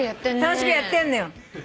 楽しくやってんのよ。